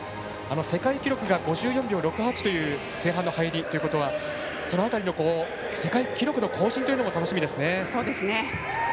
世界記録が５４秒６８という前半の入りということはその辺りの世界記録の更新というのも楽しみですね。